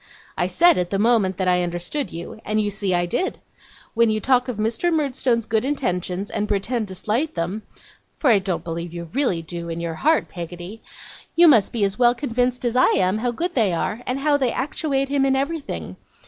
I said, at the moment, that I understood you, and you see I did. When you talk of Mr. Murdstone's good intentions, and pretend to slight them (for I don't believe you really do, in your heart, Peggotty), you must be as well convinced as I am how good they are, and how they actuate him in everything.